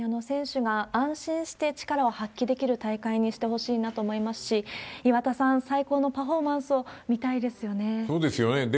選手が安心して力を発揮できる大会にしてほしいなと思いますし、岩田さん、最高のパフォーマンスを見たいですよね。